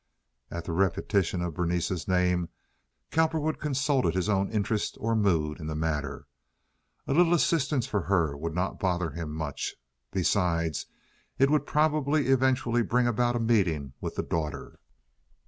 At the repetition of Berenice's name Cowperwood consulted his own interest or mood in the matter. A little assistance for her would not bother him much. Besides, it would probably eventually bring about a meeting with the daughter.